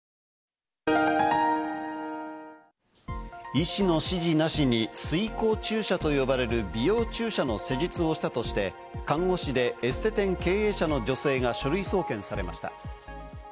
医師の指示なしに水光注射と呼ばれる美容注射の施術をしたとして、看護師でエステ店経営者の女性が書類送検されました。